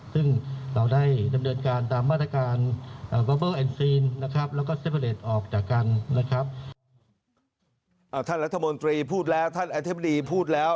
ท่านรัฐมนตรีพูดแล้วท่านอธิบดีพูดแล้ว